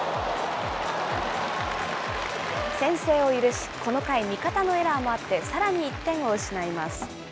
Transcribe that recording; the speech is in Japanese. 先制を許し、この回、味方のエラーもあってさらに１点を失います。